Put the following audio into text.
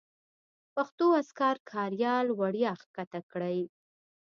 پښتو اذکار کاریال وړیا کښته کړئ